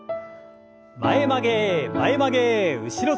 前曲げ前曲げ後ろ反り。